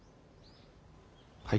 はい？